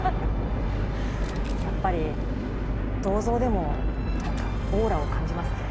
やっぱり銅像でも何かオーラを感じますね。